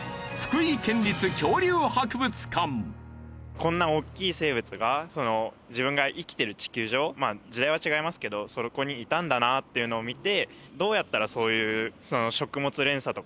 こんな大きい生物が自分が生きてる地球上まあ時代は違いますけどそこにいたんだなっていうのを見て。